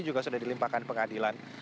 juga sudah dilimpahkan pengadilan